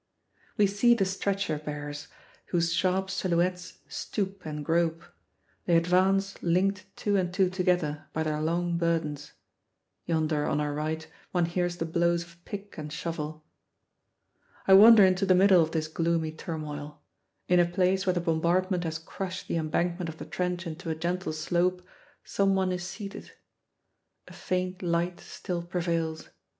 We see the stretcher bearers, whose sharp silhouettes stoop and grope; they advance linked two and two together by their long burdens. Yonder on our right one hears the blows of pick and shovel. I wander into the middle of this gloomy turmoil. In a place where the bombardment has crushed the embankment of the trench into a gentle slope, some one is seated. A faint light still prevails.